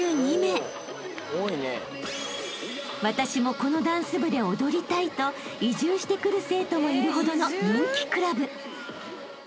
［私もこのダンス部で踊りたいと移住してくる生徒もいるほどの人気クラブ］